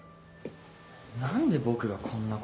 何で僕がこんなこと。